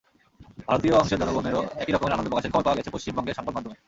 ভারতীয় অংশের জনগণেরও একই রকমের আনন্দ প্রকাশের খবর পাওয়া গেছে পশ্চিমবঙ্গের সংবাদমাধ্যমে।